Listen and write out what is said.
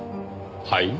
はい？